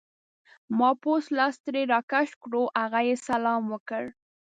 ما پوست لاس ترې راکش کړو، هغه یې سلام وکړ.